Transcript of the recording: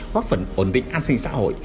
góp phần ổn định an sinh xã hội